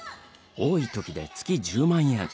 多いときで月１０万円。